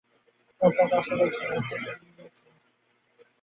তা গাছতলাই কি, আর কুটীরই কি।